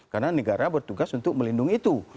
karena negara bertugas untuk melindungi itu